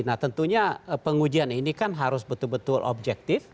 nah tentunya pengujian ini kan harus betul betul objektif